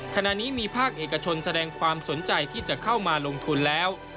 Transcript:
ขณะนี้มีภาคเอกชนแสดงความสนใจที่จะเข้ามาลงทุนแล้ว